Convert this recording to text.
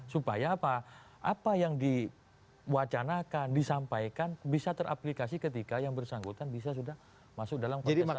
supaya apa apa yang diwacanakan disampaikan bisa teraplikasi ketika yang bersangkutan bisa sudah masuk dalam kontestasi